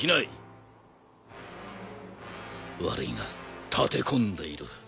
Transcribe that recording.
悪いが立て込んでいる。